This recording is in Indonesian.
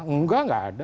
enggak enggak ada